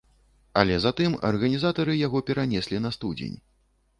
Але затым арганізатары яго перанеслі на студзень.